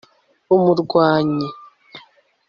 umurwanyi